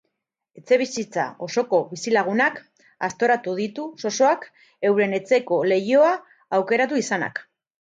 Etxebizitza osoko bizilagunak aztoratu ditu zozoak euren etxeko lehioa aukeratu izanak.